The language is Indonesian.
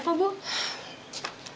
apa apanya pak bu